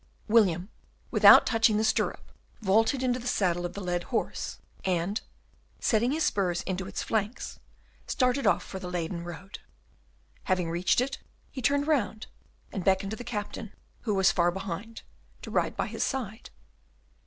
William, without touching the stirrup, vaulted into the saddle of the led horse, and, setting his spurs into its flanks, started off for the Leyden road. Having reached it, he turned round and beckoned to the Captain who was far behind, to ride by his side.